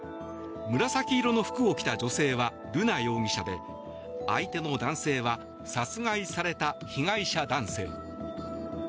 紫色の服を着た女性は瑠奈容疑者で相手の男性は殺害された被害者男性。